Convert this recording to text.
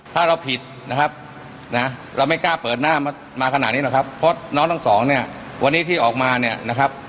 ถ้าเราผิดนะครับนะเราไม่กล้าเปิดหน้ามาขนาดนี้หรอกครับเพราะน้องทั้งสองเนี่ยวันนี้ที่ออกมาเนี่ยนะครับ